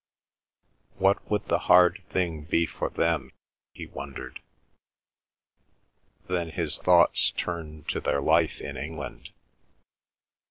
What would the hard thing be for them, he wondered? Then his thoughts turned to their life in England.